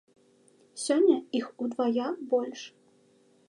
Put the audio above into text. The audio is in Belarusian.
Сёння іх удвая больш.